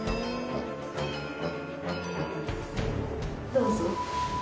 ・どうぞ。